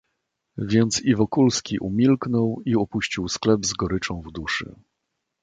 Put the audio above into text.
"Więc i Wokulski umilknął i opuścił sklep z goryczą w duszy."